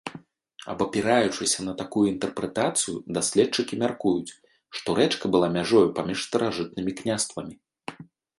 Абапіраючыся на такую інтэрпрэтацыю, даследчыкі мяркуюць, што рэчка была мяжою паміж старажытнымі княствамі.